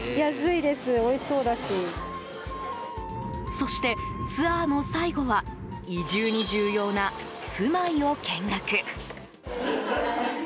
そして、ツアーの最後は移住に重要な住まいを見学。